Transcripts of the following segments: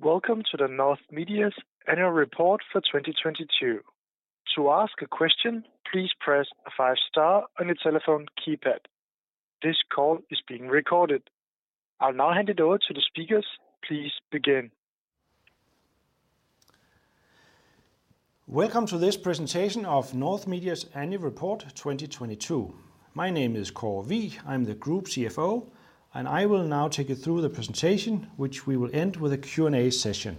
Welcome to the North Media's Annual Report for 2022. To ask a question, please press five-star on your telephone keypad. This call is being recorded. I'll now hand it over to the speakers. Please begin. Welcome to this presentation of North Media's annual report 2022. My name is Kåre Wigh. I'm the Group CFO, and I will now take you through the presentation, which we will end with a Q&A session.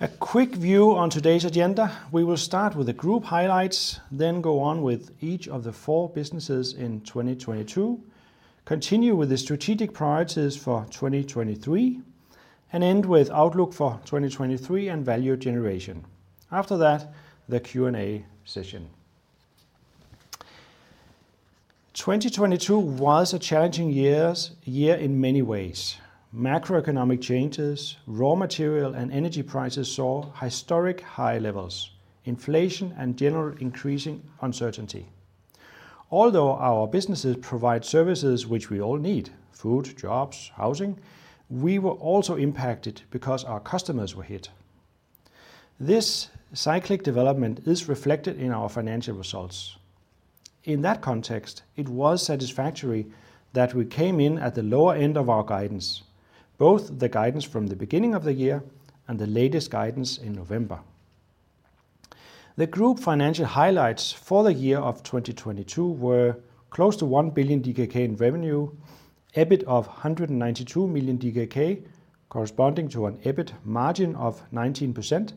A quick view on today's agenda. We will start with the group highlights, then go on with each of the four businesses in 2022, continue with the strategic priorities for 2023, and end with outlook for 2023 and value generation. After that, the Q&A session. 2022 was a challenging year in many ways. Macroeconomic changes, raw material, and energy prices saw historic high levels, inflation and general increasing uncertainty. Although our businesses provide services which we all need, food, jobs, housing, we were also impacted because our customers were hit. This cyclic development is reflected in our financial results. In that context, it was satisfactory that we came in at the lower end of our guidance, both the guidance from the beginning of the year and the latest guidance in November. The group financial highlights for the year of 2022 were close to 1 billion DKK in revenue, EBIT of 192 million DKK, corresponding to an EBIT margin of 19%,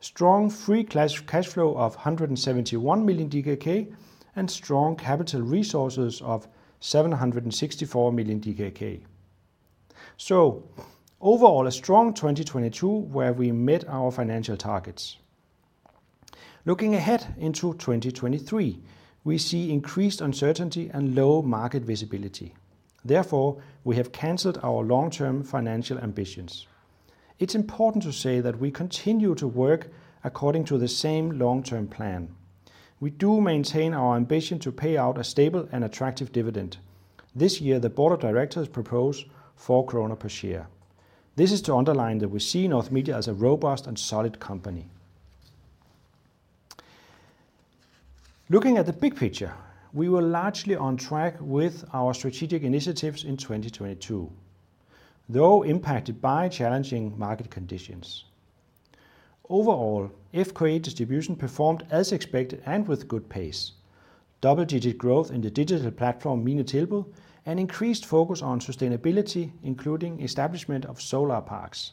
strong free cash flow of 171 million DKK, and strong capital resources of 764 million DKK. Overall, a strong 2022 where we met our financial targets. Looking ahead into 2023, we see increased uncertainty and low market visibility. Therefore, we have canceled our long-term financial ambitions. It's important to say that we continue to work according to the same long-term plan. We do maintain our ambition to pay out a stable and attractive dividend. This year, the board of directors propose 4 kroner per share. This is to underline that we see North Media as a robust and solid company. Looking at the big picture, we were largely on track with our strategic initiatives in 2022, though impacted by challenging market conditions. Overall, FK Distribution performed as expected and with good pace. Double-digit growth in the digital platform, minetilbud, an increased focus on sustainability, including establishment of solar parks.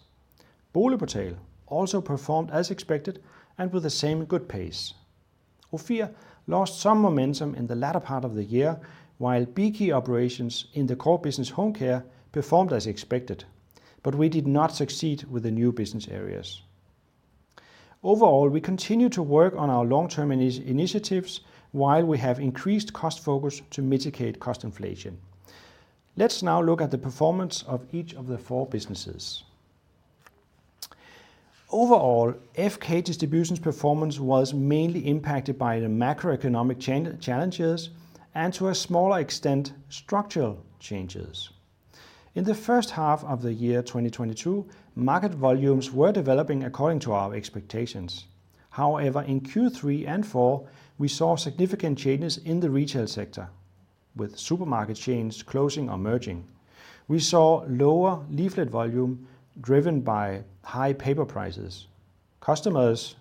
BoligPortal also performed as expected and with the same good pace. Ofir lost some momentum in the latter part of the year, while Bekey operations in the core business home care performed as expected, but we did not succeed with the new business areas. Overall, we continue to work on our long-term initiatives while we have increased cost focus to mitigate cost inflation. Let's now look at the performance of each of the four businesses. Overall, FK Distribution's performance was mainly impacted by the macroeconomic challenges and to a smaller extent, structural changes. In the first half of the year 2022, market volumes were developing according to our expectations. However, in Q three and four, we saw significant changes in the retail sector, with supermarket chains closing or merging. We saw lower leaflet volume driven by high paper prices. Customers,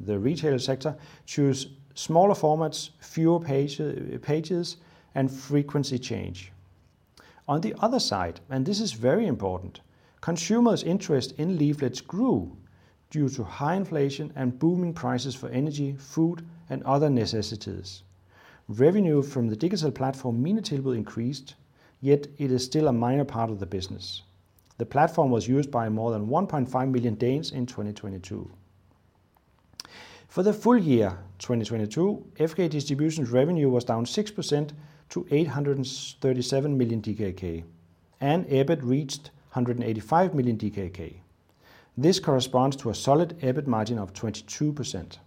the retail sector, choose smaller formats, fewer pages, and frequency change. On the other side, and this is very important, consumers' interest in leaflets grew due to high inflation and booming prices for energy, food, and other necessities. Revenue from the digital platform, minetilbud, increased, yet it is still a minor part of the business. The platform was used by more than 1.5 million Danes in 2022. For the full year, 2022, FK Distribution's revenue was down 6% to 837 million DKK, and EBIT reached 185 million DKK. This corresponds to a solid EBIT margin of 22%.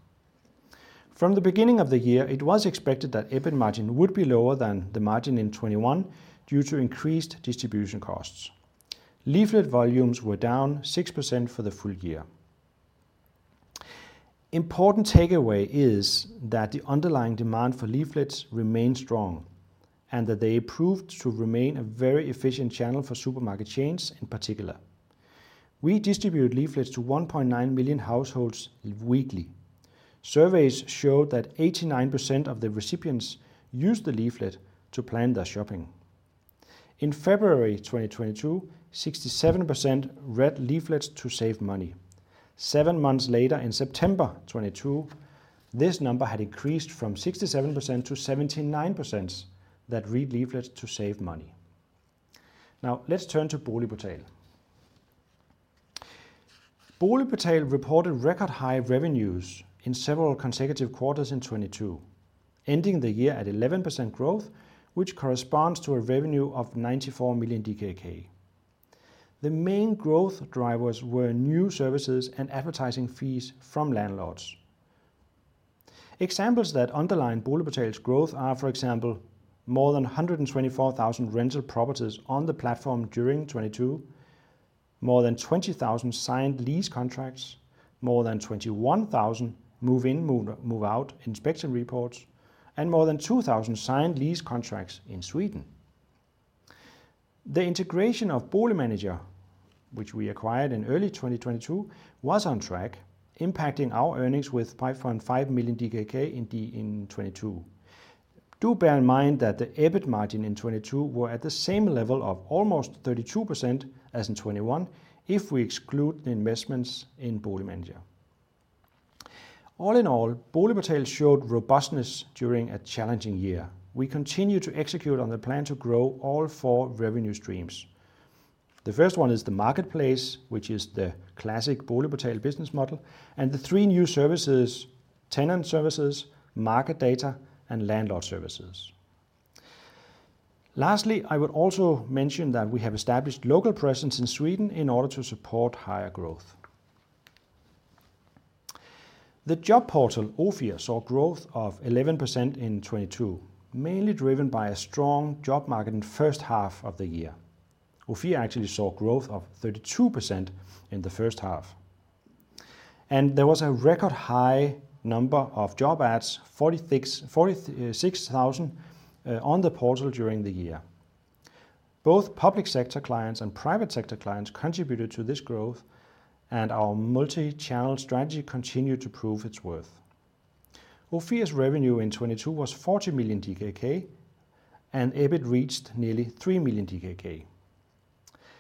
From the beginning of the year, it was expected that EBIT margin would be lower than the margin in 2021 due to increased distribution costs. Leaflet volumes were down 6% for the full year. Important takeaway is that the underlying demand for leaflets remained strong and that they proved to remain a very efficient channel for supermarket chains in particular. We distribute leaflets to 1.9 million households weekly. Surveys show that 89% of the recipients use the leaflet to plan their shopping. In February 2022, 67% read leaflets to save money. Seven months later in September 2022, this number had increased from 67% to 79% that read leaflets to save money. Let's turn to BoligPortal. BoligPortal reported record high revenues in several consecutive quarters in 2022, ending the year at 11% growth, which corresponds to a revenue of 94 million DKK. The main growth drivers were new services and advertising fees from landlords. Examples that underline BoligPortal's growth are, for example, more than 124,000 rental properties on the platform during 2022, more than 20,000 signed lease contracts, more than 21,000 move-in, move-out inspection reports, and more than 2,000 signed lease contracts in Sweden. The integration of Boligmanager, which we acquired in early 2022, was on track, impacting our earnings with 5.5 million DKK in 2022. Do bear in mind that the EBIT margin in 2022 were at the same level of almost 32% as in 2021 if we exclude the investments in Boligmanager. All in all, BoligPortal showed robustness during a challenging year. We continue to execute on the plan to grow all four revenue streams. The first one is the marketplace, which is the classic BoligPortal business model, and the three new services: tenant services, market data, and landlord services. I would also mention that we have established local presence in Sweden in order to support higher growth. The job portal Ofir saw growth of 11% in 2022, mainly driven by a strong job market in first half of the year. Ofir actually saw growth of 32% in the first half. There was a record high number of job ads, 46,000, on the portal during the year. Both public sector clients and private sector clients contributed to this growth. Our multichannel strategy continued to prove its worth. Ofir's revenue in 2022 was 40 million DKK. EBIT reached nearly three million DKK.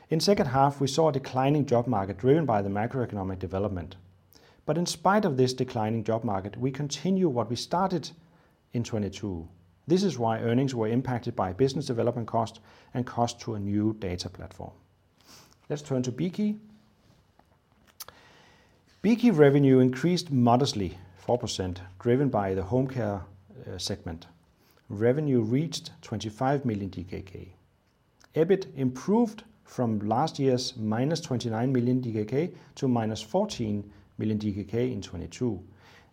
In second half, we saw a declining job market driven by the macroeconomic development. In spite of this declining job market, we continue what we started in 2022. This is why earnings were impacted by business development costs and costs to a new data platform. Let's turn to Bekey. Bekey revenue increased modestly 4%, driven by the home care segment. Revenue reached 25 million DKK. EBIT improved from last year's minus 29 million DKK to minus 14 million DKK in 2022.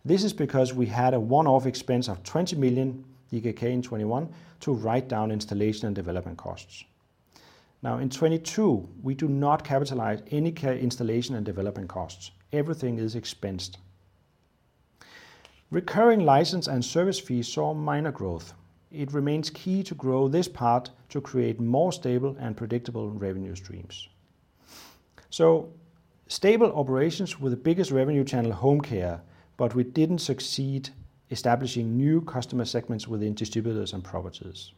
This is because we had a one-off expense of 20 million DKK in 2021 to write down installation and development costs. Now, in 2022, we do not capitalize any installation and development costs. Everything is expensed. Recurring license and service fees saw minor growth. It remains key to grow this part to create more stable and predictable revenue streams. Stable operations were the biggest revenue channel home care, but we didn't succeed establishing new customer segments within distributors and properties.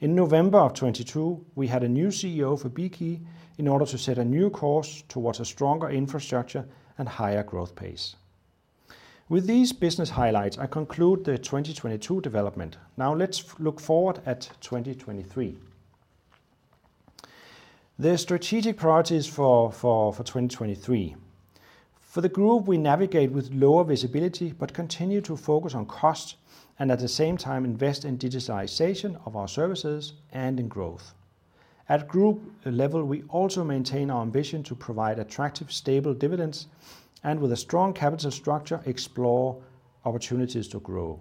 In November of 2022, we had a new CEO for Bekey in order to set a new course towards a stronger infrastructure and higher growth pace. With these business highlights, I conclude the 2022 development. Now let's look forward at 2023. The strategic priorities for 2023. For the group, we navigate with lower visibility but continue to focus on cost and at the same time invest in digitalization of our services and in growth. At group level, we also maintain our ambition to provide attractive, stable dividends and with a strong capital structure, explore opportunities to grow.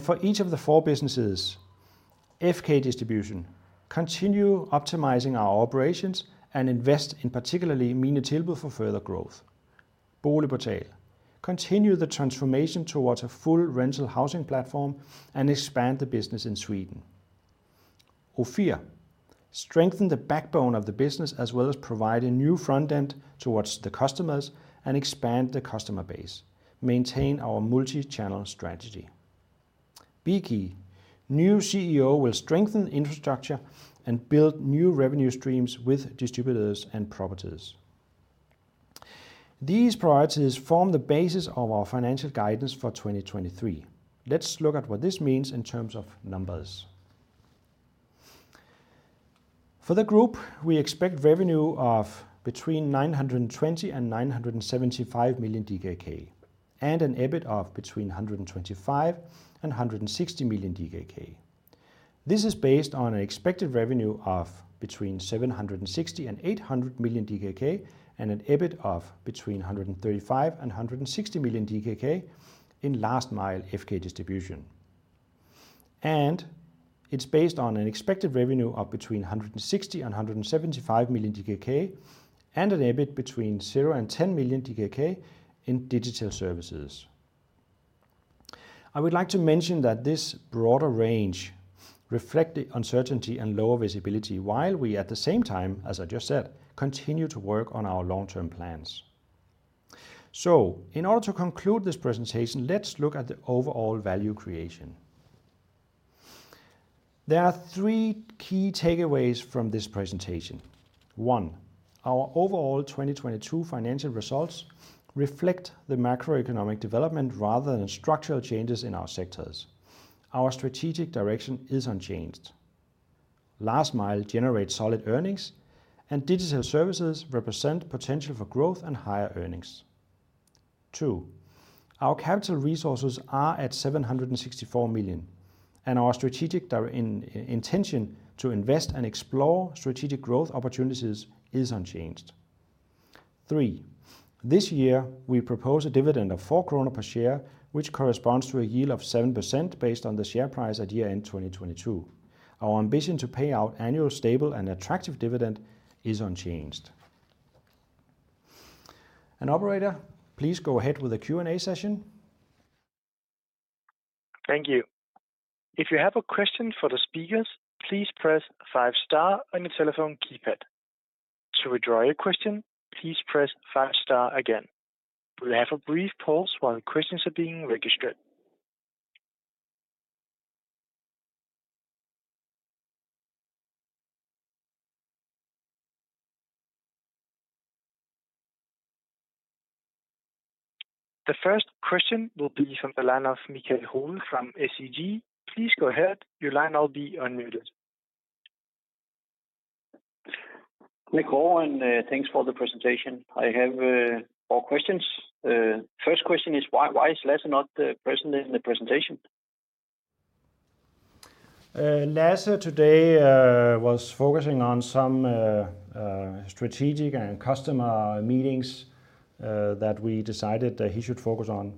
For each of the four businesses, FK Distribution continue optimizing our operations and invest in particularly minetilbud for further growth. BoligPortal continue the transformation towards a full rental housing platform and expand the business in Sweden. Ofir strengthen the backbone of the business as well as provide a new front end towards the customers and expand the customer base, maintain our multichannel strategy. Bekey, new CEO will strengthen infrastructure and build new revenue streams with distributors and properties. These priorities form the basis of our financial guidance for 2023. Let's look at what this means in terms of numbers. For the group, we expect revenue of between 920 million and 975 million DKK and an EBIT of between 125 million and 160 million DKK. This is based on an expected revenue of between 760 million and 800 million DKK and an EBIT of between 135 million and DKK 160 million in Last Mile FK Distribution. It's based on an expected revenue of between 160 million and 175 million DKK and an EBIT between 0 and 10 million DKK in Digital Services. I would like to mention that this broader range reflect the uncertainty and lower visibility while we, at the same time, as I just said, continue to work on our long-term plans. In order to conclude this presentation, let's look at the overall value creation. There are three key takeaways from this presentation. One, our overall 2022 financial results reflect the macroeconomic development rather than structural changes in our sectors. Our strategic direction is unchanged. Last Mile generates solid earnings, and Digital Services represent potential for growth and higher earnings. Two, our capital resources are at 764 million, and our strategic intention to invest and explore strategic growth opportunities is unchanged. Three, this year we propose a dividend of 4 kroner per share, which corresponds to a yield of 7% based on the share price at year-end 2022. Our ambition to pay out annual stable and attractive dividend is unchanged. Operator, please go ahead with the Q&A session. Thank you. If you have a question for the speakers, please press five star on your telephone keypad. To withdraw your question, please press five star again. We'll have a brief pause while questions are being registered. The first question will be from the line of Michael Hole from SEG. Please go ahead. Your line will be unmuted. Michael, thanks for the presentation. I have four questions. First question is why is Lasse not present in the presentation? Lasse today, was focusing on some strategic and customer meetings, that we decided that he should focus on.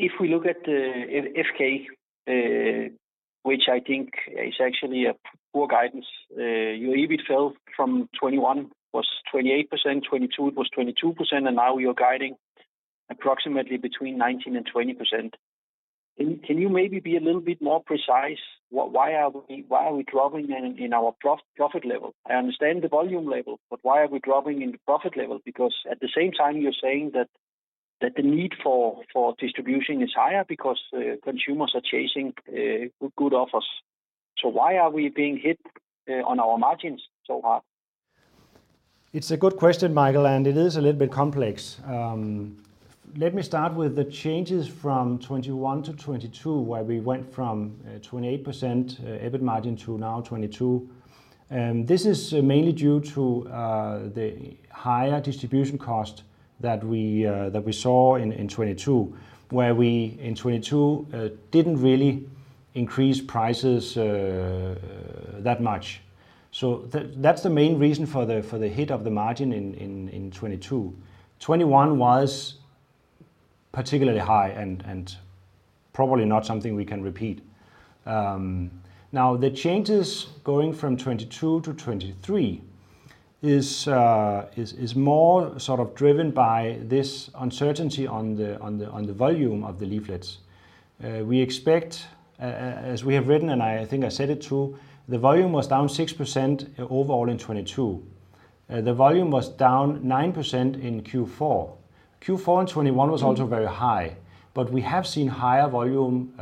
If we look at FK, which I think is actually a poor guidance, your EBIT fell from 2021 was 28%, 2022 it was 22%, and now you're guiding approximately between 19% and 20%. Can you maybe be a little bit more precise? Why are we dropping in our profit level? I understand the volume level, but why are we dropping in the profit level? Because at the same time, you're saying that the need for distribution is higher because consumers are chasing good offers. Why are we being hit on our margins so hard? It's a good question, Michael. It is a little bit complex. Let me start with the changes from 2021 to 2022, where we went from 28% EBIT margin to now 22%. This is mainly due to the higher distribution cost that we saw in 2022, where we, in 2022, didn't really increase prices that much. That's the main reason for the hit of the margin in 2022. 2021 was particularly high and probably not something we can repeat. The changes going from 2022 to 2023 is more sort of driven by this uncertainty on the volume of the leaflets. We expect, as we have written, and I think I said it too, the volume was down 6% overall in 2022. The volume was down 9% in Q4. Q4 in 2021 was also very high, but we have seen higher volume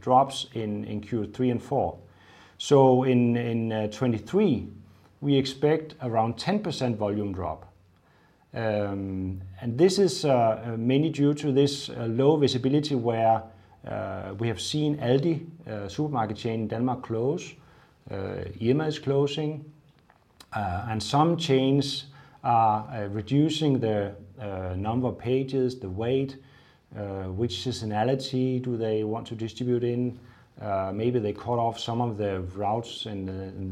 drops in Q3 and Q4. In 2023, we expect around 10% volume drop. This is mainly due to this low visibility where we have seen Aldi supermarket chain in Denmark close. Irma is closing, some chains are reducing their number of pages, the weight, which seasonality do they want to distribute in. Maybe they cut off some of the routes in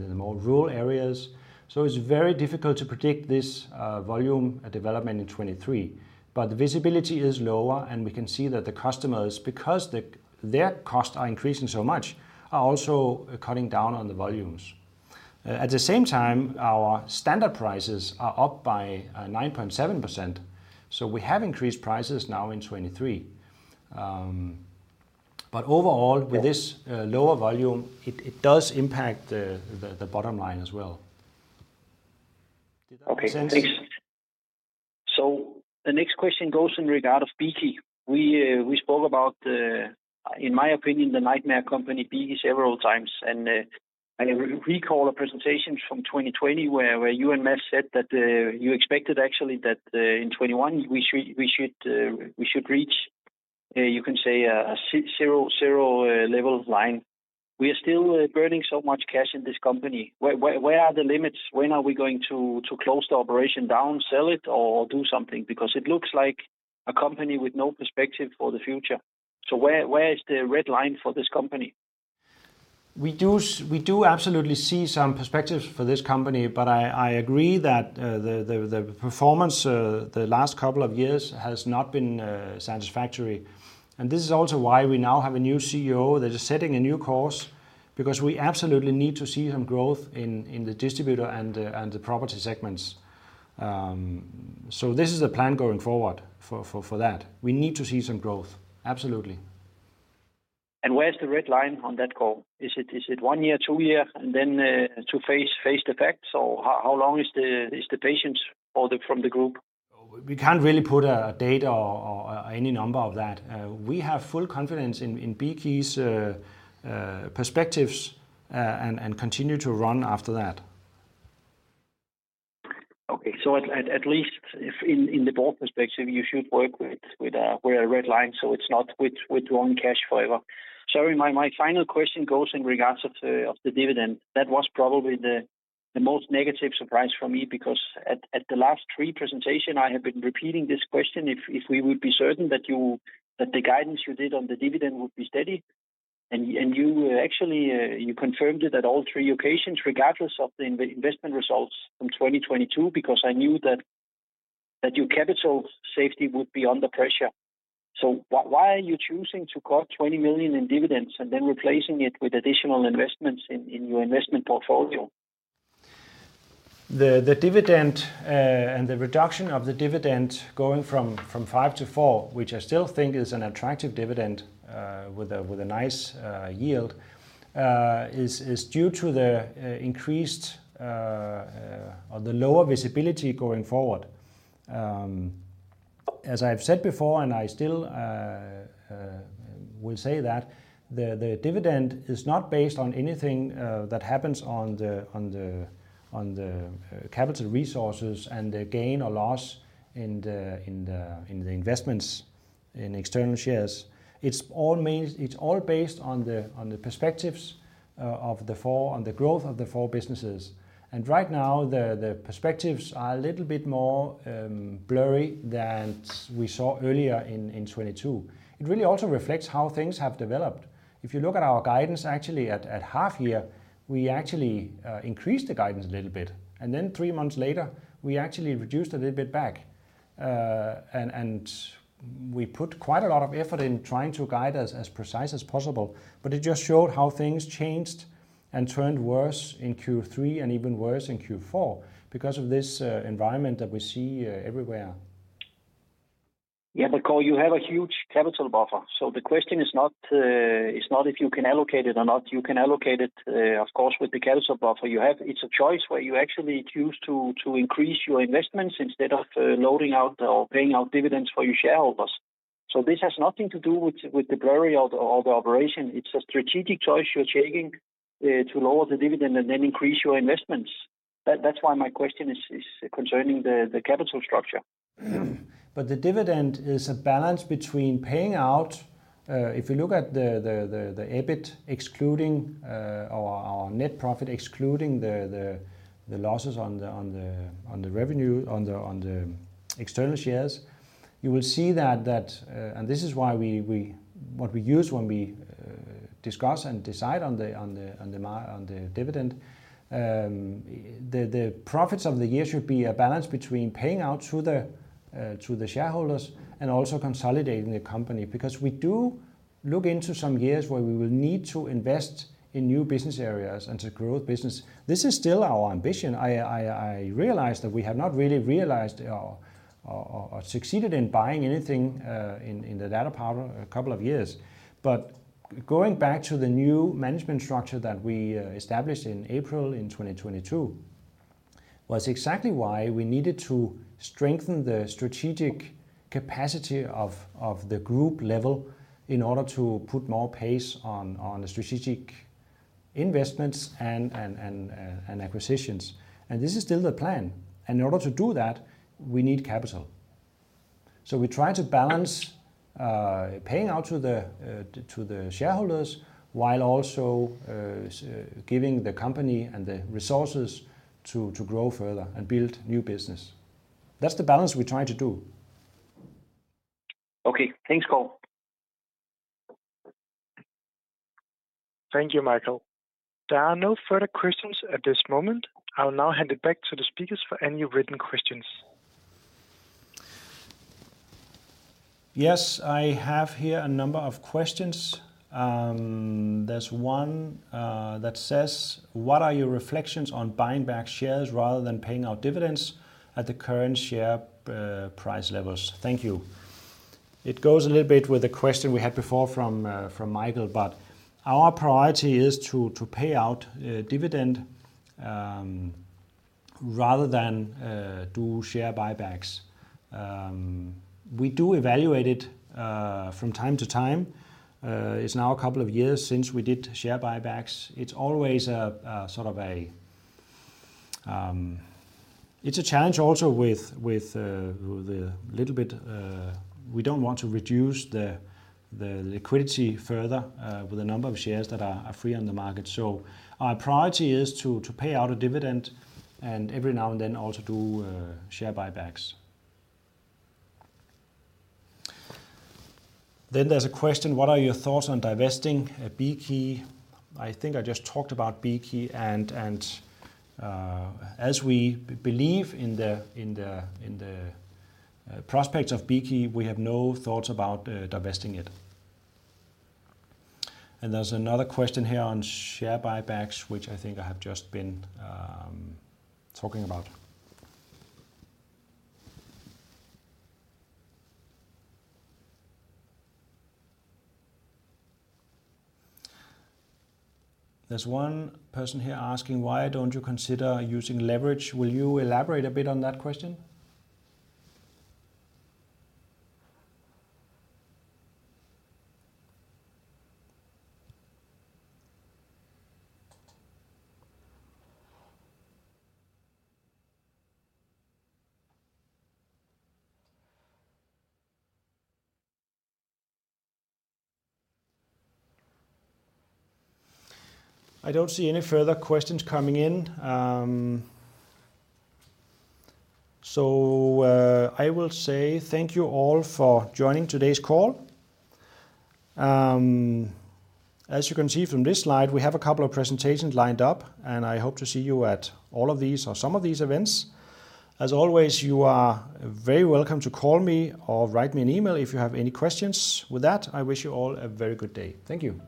the more rural areas. It's very difficult to predict this volume development in 2023. The visibility is lower, we can see that the customers, because their costs are increasing so much, are also cutting down on the volumes. At the same time, our standard prices are up by 9.7%. We have increased prices now in 2023. Overall, with this lower volume, it does impact the bottom line as well. Did that make sense? Okay, thanks. The next question goes in regard of Bekey. We spoke about the, in my opinion, the nightmare company Bekey several times. I recall a presentation from 2020 where you and Mads said that you expected actually that in 21 we should reach, you can say a zero level line. We are still burning so much cash in this company. Where are the limits? When are we going to close the operation down, sell it, or do something? It looks like a company with no perspective for the future. Where is the red line for this company? We do absolutely see some perspectives for this company, but I agree that the performance the last couple of years has not been satisfactory. This is also why we now have a new CEO that is setting a new course, because we absolutely need to see some growth in the distributor and the property segments. This is the plan going forward for that. We need to see some growth. Absolutely. Where's the red line on that call? Is it one year, two year, and then to face the facts? Or how long is the patience from the group? We can't really put a date or any number of that. We have full confidence in Bekey's perspectives and continue to run after that. Okay. At least if in the board perspective, you should work with a red line, so it's not with drawing cash forever. Sorry, my final question goes in regards of the dividend. That was probably the most negative surprise for me, because at the last three presentation I have been repeating this question, if we would be certain that the guidance you did on the dividend would be steady. You actually confirmed it at all three occasions regardless of the investment results from 2022, because I knew that your capital safety would be under pressure. Why are you choosing to cut 20 million in dividends and then replacing it with additional investments in your investment portfolio? The dividend and the reduction of the dividend going from 5 to 4, which I still think is an attractive dividend, with a nice yield, is due to the lower visibility going forward. As I've said before, and I still will say that the dividend is not based on anything that happens on the capital resources and the gain or loss in the investments in external shares. It's all based on the perspectives of the four, on the growth of the four businesses. Right now the perspectives are a little bit more blurry than we saw earlier in 2022. It really also reflects how things have developed. If you look at our guidance actually at half year, we actually increased the guidance a little bit, and then three months later we actually reduced a little bit back. We put quite a lot of effort in trying to guide as precise as possible, but it just showed how things changed and turned worse in Q3, and even worse in Q4 because of this environment that we see everywhere. Kåre, you have a huge capital buffer. The question is not if you can allocate it or not. You can allocate it, of course, with the capital buffer you have. It's a choice where you actually choose to increase your investments instead of loading out or paying out dividends for your shareholders. This has nothing to do with the blurry of the operation. It's a strategic choice you're taking to lower the dividend and then increase your investments. My question is concerning the capital structure. The dividend is a balance between paying out, if you look at the EBIT excluding, or net profit excluding the losses on the revenue, on the external shares, you will see that. This is why we, what we use when we discuss and decide on the dividend. The profits of the year should be a balance between paying out to the shareholders and also consolidating the company because we do look into some years where we will need to invest in new business areas and to grow the business. This is still our ambition. I realize that we have not really realized or succeeded in buying anything in the dry powder a couple of years. Going back to the new management structure that we established in April in 2022, was exactly why we needed to strengthen the strategic capacity of the group level in order to put more pace on the strategic investments and acquisitions. This is still the plan. In order to do that, we need capital. We try to balance paying out to the shareholders while also giving the company and the resources to grow further and build new business. That's the balance we try to do. Okay. Thanks, Kåre. Thank you, Michael. There are no further questions at this moment. I'll now hand it back to the speakers for any written questions. Yes. I have here a number of questions. There's one that says: "What are your reflections on buying back shares rather than paying out dividends at the current share price levels? Thank you." It goes a little bit with the question we had before from Michael, our priority is to pay out dividend rather than do share buybacks. We do evaluate it from time to time. It's now two years since we did share buybacks. It's always a sort of a challenge also with the little bit, we don't want to reduce the liquidity further with the number of shares that are free on the market. Our priority is to pay out a dividend and every now and then also do share buybacks. There's a question: "What are your thoughts on divesting at Bekey?" I think I just talked about Bekey, and as we believe in the prospects of Bekey, we have no thoughts about divesting it. There's another question here on share buybacks, which I think I have just been talking about. There's one person here asking: "Why don't you consider using leverage?" Will you elaborate a bit on that question? I don't see any further questions coming in. I will say thank you all for joining today's call. As you can see from this slide, we have a couple of presentations lined up, and I hope to see you at all of these or some of these events. As always, you are very welcome to call me or write me an email if you have any questions. With that, I wish you all a very good day. Thank you.